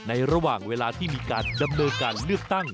ระหว่างเวลาที่มีการดำเนินการเลือกตั้ง